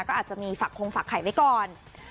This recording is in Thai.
ก็อาจจะมีฝักคงฝักไข่ไว้ก่อน